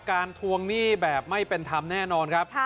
ทวงหนี้แบบไม่เป็นธรรมแน่นอนครับ